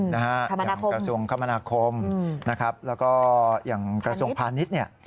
อย่างกระทรวงคมนาคมแล้วก็อย่างกระทรวงพาณิชย์